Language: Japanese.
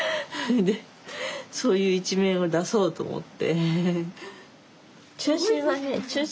そういう一面を出そうと思って。